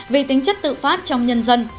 vì tính chất tự phát trong nhân dân